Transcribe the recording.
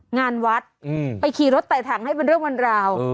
งานวัดไปขี่รถไต่ถังให้เป็นเรื่องเป็นราว